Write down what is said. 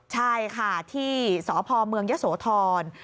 ใช่ค่ะที่สพเมืองยะโสธร